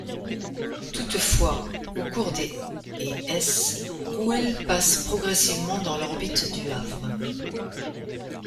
Toutefois, au cours des et s, Rouelles passe progressivement dans l'orbite du Havre.